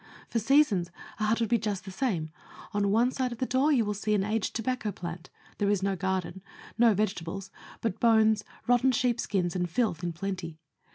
For seasons a hut would be just the same on one side of the door you will see an aged tobacco plant; there is no garden no vegetables, but bones, rotten sheep skins, and filth in plenty.